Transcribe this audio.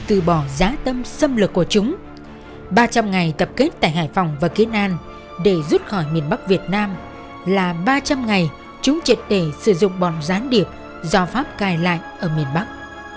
từ bỏ giá tâm xâm lực của chúng ba trăm linh ngày tập kết tại hải phòng và kiến an để rút khỏi miền bắc việt nam là ba trăm linh ngày chúng triệt để sử dụng bọn gián điệp do pháp cài lại ở miền bắc